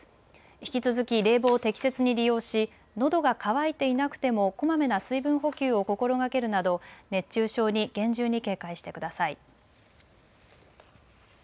引き続き冷房を適切に利用しのどが渇いていなくてもこまめな水分補給を心がけるなど熱中症に厳重に警戒してください。